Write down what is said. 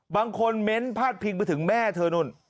บางคนเม้นต์พาดพิงไปถึงแม่เธอนู่น